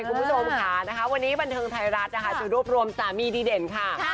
คุณผู้ชมค่ะวันนี้บันทึงไทยรัฐจะรวมรวมสามีดีเด่นค่ะ